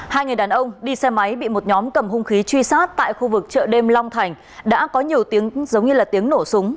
hai người đàn ông đi xe máy bị một nhóm cầm hung khí truy sát tại khu vực chợ đêm long thành đã có nhiều tiếng giống như là tiếng nổ súng